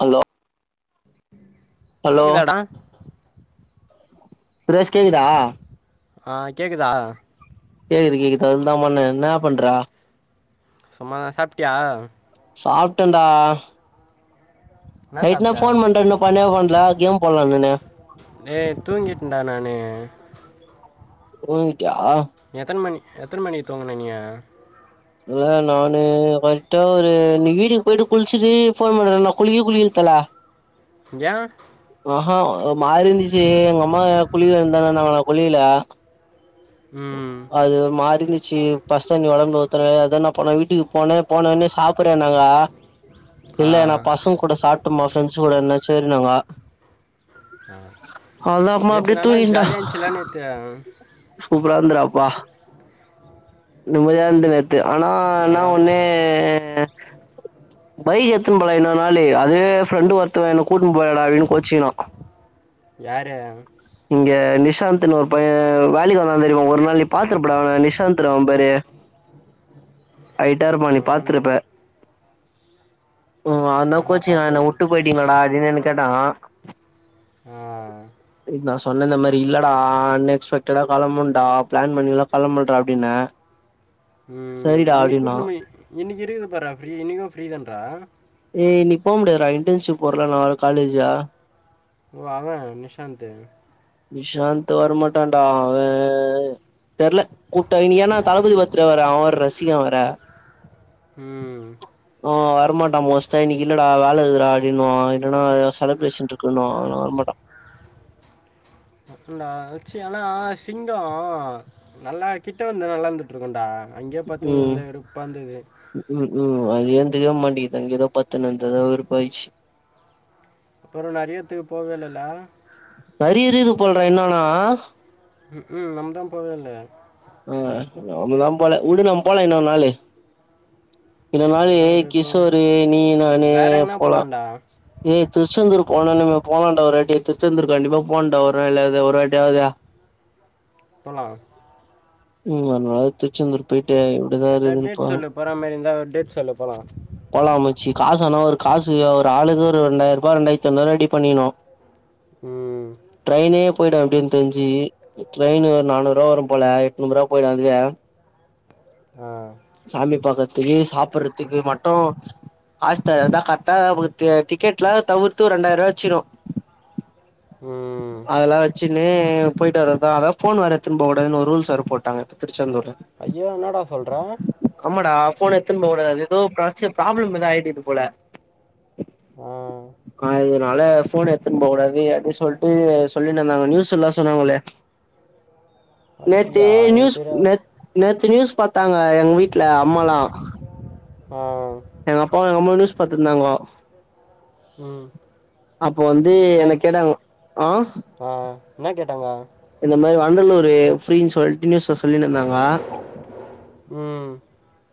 Hello [inaudible] [unintelligible] hello தானடா சுரேஷ் கேக்குதா அ கேக்குதா கேக்குது கேக்குது அதுல தா பண்ண இன்னா பண்ற சும்மாதா சாப்ட்டியா சாப்ட்டண்டா என்ன நைட்டுனா சாப்ட்ட ஃபோன் பன்றன்னா பன்னவே பன்ல கேம் போலன் னன்னே டேய் தூங்கிட்டேன்டா நானு [unintelligible] [unintelligible] எத்தன மணிக்கு தூங்குன நீயீ இல்ல நானு கரெக்டா ஒரு நீ வீட்டுக்கு போய்ட்டு குள்ச்சிட்டு ஃபோன் பண்ற நா குளிக்வு குளிக்ல தல ஏ ஆஹா ஓமாறிந்துச்சி எங்கம்மா குளிக்க [unintelligible] நா குளிக்கில ம் அது ஒர் மாரிந்துச் சி பஸ் தண்ணி ஒடம்ப்ல ஊத்துற அதா நா போன வீட்டுக்கு போன போன ஒன்னே சாப்புடுனாங்க ஆ இல்ல நா பசங் கூட சாப்டம்மா ஃப்ரெண்ஸோடன்னு சேரினாங்கோ அ நேத்து அப்டியே நல்லா ஜாலிய இந்ச்சுல நேத்து சூப்ரா இருந்துரா அப்பா நிம்மதியா இந்த நேத் து ஆனா இன்னா ஆ ஒன்னு பைக் எத்துன் போல இன்னொ நாளு அதே ஃப்ரெண்டு ஒருத்தவே என்ன கூட்னு போலயடா அப்டின்னு கோச்சினா யார் இங்க நிஷாந்துன் ஒரு பைய வேலிக் வந் தா தெரிமா ஒரு நாளு பாத்துருப்படா நிசாந்து டா அவ பேரு அய்ட்டாருப்பா நீ ஆஹாண்டா பாத்துருப்ப ம் அதா ஆஹா கோச்சிக்னா என்ன பார்த்தது இல்ல. வுட்டு போய்டீங்ளடா அப்டினு என்ன கேட்டா ஆ இ நா சொன்னே இந்த மாரி இல்லடா ஆன்லேன் [unintelligible] களம்புண்டா ப்ளான் பண்ணிலா களம்பல்றா அப்டின்ன ம் சரிடா இன்னிக் அப்டின்னா கூட்ணு போயி இன்னிக்கி இருக்குதுபாற்றா ஃப்ரீ இன்னிக்கு ஃப்ரீ தான் றா ஏ இன்னிக் போ முடியாத்றா இன்டன்ஷிப் போரல நா காலேஜா ஓ அவே நிஷாந்து நிஷாந்து வரமாட்டாண்டா அவே தெர்ல கூப்டா இன்னிக் ஏனா தளபதி பர்த்ரே வேற அவரு சீகரோ வரே ம் டா மோஸ்ட்டா இன்னைக்கு இல்லடா வேலை இருக்துடா அப்டினு வா இல்லன்னா செலப்ரேஷன் இருக்குன்வா அதனா வரமாட்டா டா வெச்சிங்னா சிங்கோ நல்லா கிட்ட வந்து நல்லாருந்துட்டு இருக்குன்டா அங்கேயே பாத்தது ம் நல்ல எடுப்பாந்தது ம் ம் அது ஏத்துக்கவே மாட்டிங்குது அங்கேதா பாத்துன்ருந்த அதா வெறுப்பாயிச்சு அப்புற நெறையத்துக்கு போகவே இலல்ல நெறைய இருக்குது போலடா இன்னானா ம் ம் நம்மதா போவே இல்ல ஆ நம்பதா போல வுடு நம்ம போலா இன்னொரு நாளு இன்னொரு நாளு எல்லா இப்போ கிஷோரு நீ நானு வேற எங்கனா போலா போலாம்டா ஏ திருச்செந்தூர் போனா நம்ம போலான்டா ஒரு வாட்டி திருச்செந்தூர் கண்டிப்பா போனுண்டா ஒரு நாள் இல்ல இது ஒரு வாட்டியாது போலா ம் ஒரு வாட்டி திருச்செந்தூர் போயிட்டு எப்டிதா கரெக்டா இருக்குதுன்னு டேட் பாக்கனு சொல்லு போற மாரி இருந்தா ஒரு டேட் சொல்லு போலா போலா மச்சி காசு ஆனா ஒரு காசு ஒரு ஆளுக்கு ஒரு ரெண்டாயிர ரூபா ரெண்டாயிரத்தி ஐநூறு ரூபா ரெடி பண்ணிர்னு ம் போயிடு அப்டின் தெரிஞ்சி ட்ரெயின் ஒரு நானூறு ரூவா வரும் போல எட்நூறு ரூவா போயிடு அதுவே ஆ சாமி பாக்கறத்துக்கு சாப்ட்றதுக்கு மட் ம் ஆஸ்தா இதா கரெக்ட்டா ஆ டிக்கெட்லா தவிர்த்து ஒரு ரெண்டாயிர ரூவா வச்சிக்கணு ம் அதெல்லா வச்சின்னு போயிட்டு வரதா அதா ஃபோன் வேற எத்துன்னு போக கூடாதுன்னு ஒரு ரூல்ஸ் வேற போட்டாங்க இப்ப திருச்செந்தூர்ல ஐயோ என்னடா சொல்ற ஆமாடா ஃபோன் எத்துன்னு போ கூடாது அது ஏதோ ப்ராப்ளம் ஏதோ ஆயிட்டுக்குது போல ஆ ஆ இதனால ஃபோன் எத்துன்னு போ கூடாது அப்டின் சொல்ட்டு சொல்லின்னுந்தாங்க நியூஸ்லல்லா சொன்னாங்களே நேத்து அப்டியா எனக்கு நியூஸ் தெரியாது நேத் நேத் நியூஸ் பாத்தாங்க எங்க வீட்ல அம்மால்லா ஆ எங்க அப்பாவு எங்க அம்மாவு நியூஸ் பாத்துன்னுருந்தாங்கோ ம் இப்போ வந்து என்ட என்னாச்சு கேட்டாங்க ஆ ட்டாங்கா இந்த மாரி வண்டல்லூர் ஃப்ரீனு சொல்ட்டு நியூஸ்ள சொல்லின்னுருந்தாங்க உம்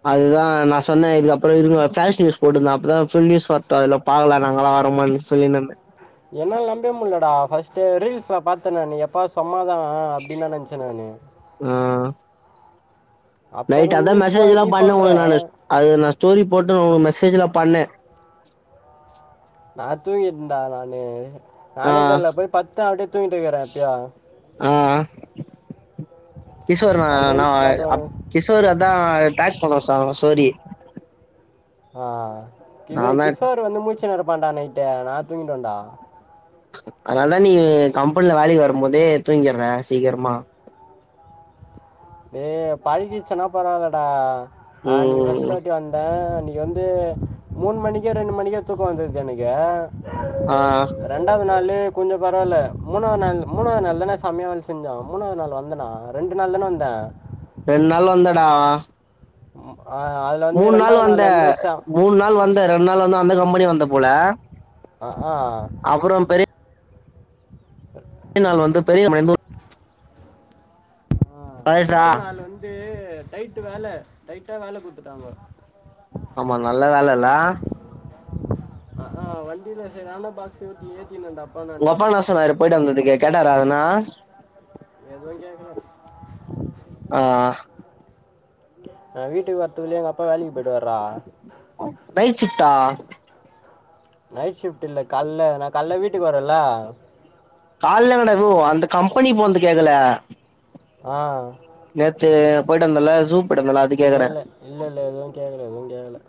அதுதா நா சொன்ன இதுக்கப்றோ இருக்கும் பேஷ் நூஸ் போட்டுந்த அப்பதா ஃபுல் நியூஸ் வர்ட்டோ அதுல பாக்கலா நாங்களா வர மாட்டன் சொல்லினுருந்த என்னால நம்பயே முல்லடா ஃபர்ஸ்ட்டு ரீல்ஸ்ல பாத்த நானு எப்பா சொம்மாதா அப்டின் தா நனைச்சே நானு ஆ நைட் அப்புறம் அதா நீ ஃபோ மெசேஜ் எல்லா நீ பண்ண சொல்கிற உன்ன நானு ஸ்டோரி போட்டு ஒ மெசேஜ்ல பண்ண நா தூங்கின்டா நானு ஆ நானே தெர்ல போய் பட்த்த அப்டே தூக்கிட்டிருக்கேன் எப்யோ ஆ கிஷோர்ணா காலைல நா ஏந்திச்சி பார்த்தோம் அப் கிஷோரு தா டாக்ஸ் பண்ண வச்சாங்கல்ல சோறி ஆ கிது கிஷோர் வந்து முச் சுனுருப்பான்டா நைட்டு நா தூங்கின்டு வேண்டா அதனாதான் நீ கம்பெனில வேலைக்கு வரும் போதே தூங்கிற சீக்கரமா ஏ பழகிச்சுன்னா பரவால்ல டா ஆஹ் நீ ஃபர்ஸ்ட் ம் வாட்டி வந்த நீ நீ வந்து மூணு மணிக்க ரெண்டு மணிக்க தூக்கம் வந்துருது எனக்கு ஆ ரெண்டாவது நாளு கொஞ்சம் பரவால்ல மூணா நாள் மூணாது நாள் தான செமையா வேல செஞ்சோ மூணாவது நாள் வந்தனா ரெண்டு நாள் தான வந் த ரெண்டு நாள் வந்தடா ஆ அதுல வந்து மூணு நாள் ரெண்டாவது வந்த வந்து ச மூணு நாள் வந்த ரெண்டு நாள் வந்து அந்த கம் பெனி வந்த போல அ ஆ அப்புறோ அதேநாள் வந்து பெரிய கம்பெனிலந்து ஆ, கரெக்டா ரெண்டாவது நாள் வந்து டைட் வேல டைட்டா வேலை கொடுத்துட்டாங்க ஆமா நல்ல வேலல்ல அ ஆ வண்டியில சரியான பாக்ஸ் ஊட்டி ஏ உங்க அப்பா என்னா சொன்னாரு போயிட்டு வந்ததுக்கு கேட்டாரா எதனா எதுவும் கேட்கல ஆ நா வீட்டுக்கு வரதுக்குள்ள எங்க அப்பா வேலைக் போய்டுவரா சிட்டா நைட் ஷிஃப்ட் இல்ல காலைல நான் கால வீட்டுக்கு வரேல காலலங்டகு அந்த கம்பெனி போந்து கேக்கல ஆ நேத்து போயிட்டு வந்தல சூப் இல்ல இல்ல இல்ல இல்ல எதுவும் கேக்கல எதுவும் கேக்கல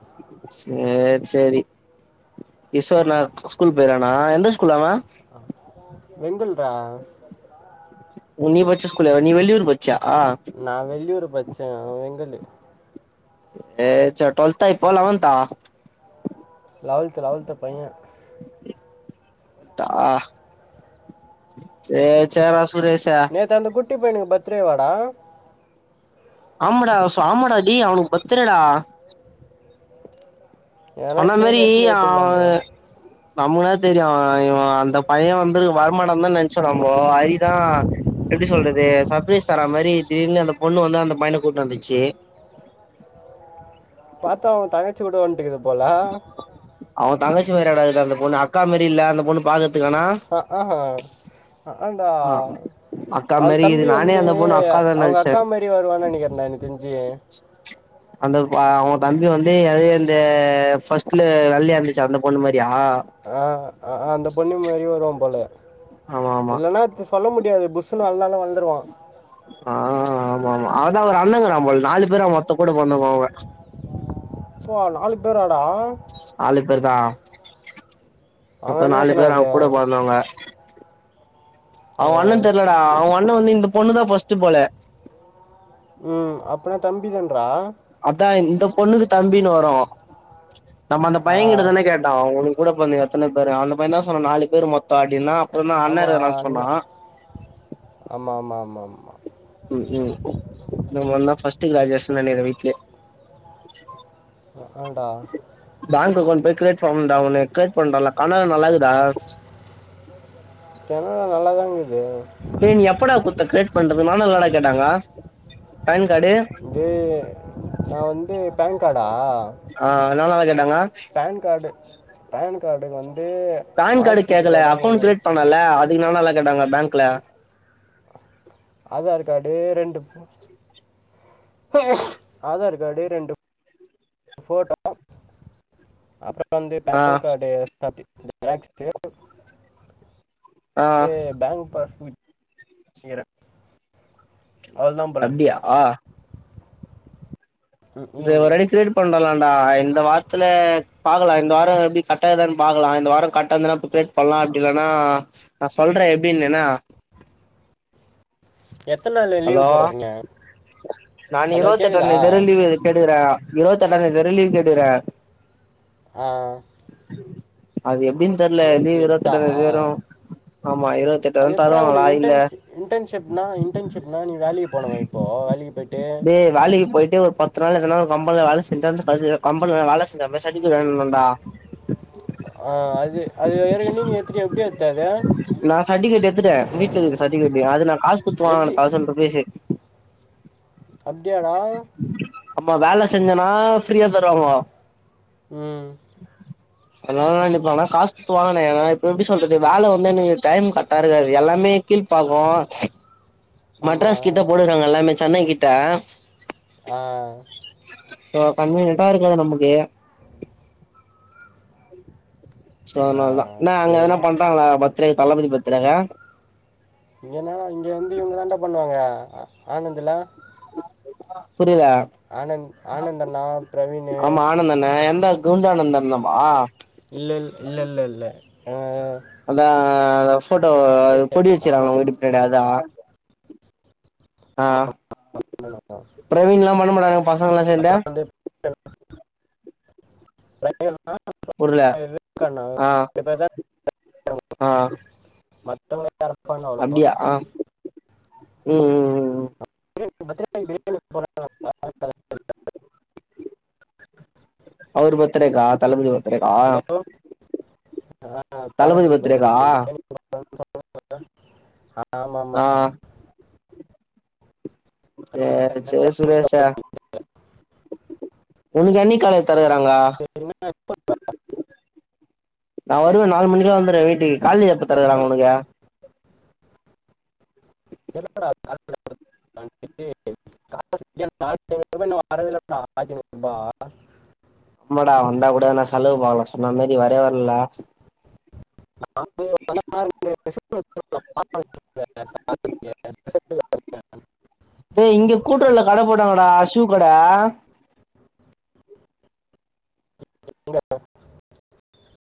சேரி சேரி கிஷோர்னா ஸ்கூல் போயிருக்கானா எந்த ஸ்கூல் அவன் வெங்கல்டா உ நீ பச்ச ஸ்கூல்லா நீ் வெளியூரு ப நா வெள்ளியூர் பச்சேன் வெங்கல் ஏ ச டுவெல்த் ஆ இப்ப லெவன்த்தா லெவன்த் லெவன்த் பைய தா சேர் சேர் அ நேத்து அந்த குட்டி பைனுக் பர் த்டே வாடா அமடா ச ஆமடா டேய் அவனுக்கு பர்த்டே டா ஏன்னா சொன்ன கேக் மாதிரி ஏதாச்சும் ஆ விட்டுக்கலாம் போல நம்மதா தெரியும் இவன் அந்த பையன் வந்து வரமாட்டா தா நினைச்சாம்போ அரிதா எப்படி சொல்றது சர்பிரரைஸ் தரா மாதிரி திடீர்னு அந்த பொண்ணு வந்து அந்த பையன கூட்டிடு வந்துச்சு பா்த்தா அவ தங்கச்சி விட வன்ட்டுக்கு அவ தங்கச்சி மரியடா இர் ருக்கு அந்த பொண்ணு அக்கா மாரி இல்ல அந்த பொண்ணு பாக்கர்த் அ ஆ அ ஆ ஹாண்டா அக்கா அவ மாரி இது தம்பி நானே வந்து அந்த பொண்ணு அக்கா தான் அவுங்க நெனச்சே அக்கா மாரி வருவான் நனக்கிறன் டா எனக்கு தெஞ்சியே அந்த வ அ அவுங்க தம்பி வந்து அதே இந்த ஃபர்ஸ்ட்ல வெள்யா இருந்துச்சசே அந்த பொண்ணு மாரி ஆ அ அந்த பொண்ணு மாரியே வருவாம் போல ஆமா ஆமா இல்லைன்னா அது சொல்ல முடியாது புஸ்ஸுனு வளந்தாலும் வளந்துருவா ஆ ஆமா ஆமா அவதா அவ அண்ணங்குறான் போல் நாலு பேர் அவு மொத்த கூட போர்ந்தவுங் அவுங்க அப்பா நாலு பேராடா நாலு பேர் தா அவங்க மொத்த என்ன நாலு எத்தனை பேர் அது அவ் கூட பொர்ந்தவுங்க அவ அண்ணன் ஆ, தெர்லடா அவுங் அண்ணன் வந்து இந் த பொண்ணுதா ஃபஸ்ட்டு போல ம் அப்பனா தம்பி தன் அதா இந்த பொண்ணுக்கு தம்பினு வரும் நம்ம அந்த ஆ பையன்கிட்ட தான கேட்டோம் கூட பொந்தங் எத்தன பேரு அந்த பையன் தா சொன்ன நாலு பேரு மொத்த அடின்னா ஆமா அண்ண ஆமா ஆமா ஆமா ஆமா த்துக் ராஜாஷ் நனைறன் வீட்லே அ ஆம்டா பேங்க் அக்கௌண்ட் போய் க்ரேட் ஃபவுன்ட் ஆவுனு கேட் பண்டோல்ல கணல் நல்லாக்குதா கெனலா நல்லாதாங்குது டே நீ எப்படா குத்த க்ரேட் பண்டது நானல்லடா கேட்டாங்க ஐன் து நா வந்து பேன் காடா ஆ நானாதா கேட்டாங்க பேன் காட் பேன் காட் கேக்கல பேன் காட் கேக்கல அக்கௌண்ட் கிரியேட் பண்ணல்ல அ இன்று எவ்ளோ நாள்தா கேட்டாங்க பேங்க்ல ஆதார் காடு ரெண்டு ஃப் ஆதார் காடு ரெண்டு வ ஃபோட்டோ அப்றம் வந்து ஆ பேன் காட் எஸ் டேர்ட்டி [unintelligible] ஆ வந்து பேங் பாஸ் [unintelligible] போல் அப்டியா ஆ ம் இத ம் ஒருவாட்டி கிரியேட் பண்ணலா இந்த வாரத்துல பாக்கலா இந்த வாரம் எப்படி கட்ட்தானு பாக்கலா இந்த வாரம் கட்டாதுானா பிப்பரேட் பண்ணலா அப்படி இல்லனா நா சொல்றே எப்படின்னு என்னா எத்தனை நாள் ஹலோ லீவு போட வரீங்க நான் ஹலோ இருபத்த கேட்குதா எட்டாம்ந்ததி வர லீவு கேட்டு இருக்கிறே இருவத்தி எட்டா தேதி வர லீவ் கேட்ருக்றே அது எப்டின்னு தெர்ல இருவத்தி லீவ் எட்டா இருவத்தெட்டாந் தேதி வரு ஆமா அது இருவத்தெட்டாந்தேதி எப்படிடா தருவாங்களா உனக்கு இன் இல்ல இன்டர்ன்ஷிப்னா இன்டர்ன்ஷிப்னா நீ வேலிக்கு போனுமா இப்போ வேலிய [unintelligible] டே வேலைக்கு போயிட்டு ஒரு பத் தா எதனா ஒரு கம்பெனில வேலை செஞ் கம்பெனில வேல செஞ்ச மாறி சர்டிஃபிகேட் வாங்கிட்டு வந்தோம்டா ஆ அது அது ஏற்கனவே நீ எடுத்துட்டு எப்படி எடுத்த அது நா சர்டிஃபிகேட் எடுத்துட்டே வீட்டுல இருக்கு சர்டிஃபிகேட் அது நா காசு கொடுத்து எப்படி வாங்கின தவ்சண்ட் ருபீஸ்சூ அப் டியா டா ஆமா வேலை செஞ்சனா ஃப்ரீயா தருவாங்கோ ம் எல்லாரும் என்ன நினைப்பாங்கனா காசு கொடுத்து வாங்கின ஏ இப்ப எப்படி சொல்றது வேலை வந்து எனக்கு டைம் கரெக்டா இருக்காது எல்லாமே கீழ்பாக்கோ மெட்ராஸ் ஆமாம் கிட்ட போடுறாங்க எல்லாமே சென்னை கிட் ட்ட ஆ ஆ சோ கன்வீனியன்ட்டா இருக்காது நமக்கு சோ ஆ அதுனாலதா என்ன அங்க சரி எதனா பண்றாங்களா ப தற்கு தளபதி பத்துரக்கு இங்கனா இங்க வந்து இவங்க தாண்ட பண்ணுவாங்க ஆனந்துல [inaudible] புரியல ஆனந்த் ஆனந்த் அண்ணா பிரவீனு ஆமா ஆனந்தானே எந்த குண்டானந்தன்னவ இல்ல இ இல்ல இல்ல இல்ல [unintelligible] அதா ஆ அந்த போட்டோ அது கொடி வெச்சுருக்காங்கள அவுங்க வீட்டுக் பின்னாடி அதா அ பிரவீன்லா பண்ணமாட்டாங்க பசங்கல்லா சேந்து அப்புறம் வந்து [unintelligible] புருல இருக்காண்ணா அ ரெண்டு பேர் தான் அ மத்தவங்க அப்டியா ம் ம் ம் [unintelligible] அவரு பர்த்டேக்கா தளபதி பர்த்டேக்கா ஹலோ அ தளபதி பர்த் [unintelligible] ஆமாமா த இந்த ஜெய சூர்யா சார் உங்கண்ணி காலே [unintelligible] நா வருவே நாலு மணிக்கெல்லா வந்துருவே வீட்டுக்கு கால்லயே எப்ப பொறக்குறாங்க உனக்கு [unintelligible] ஆமடா வந்தா கூட நா செலவு பண்லா சொன்ன மேரி வரே வர்லா [unintelligible] டே இங்கே கூட்டுறவுல கட போட்டாங்கடா ஷூ கட [unintelligible]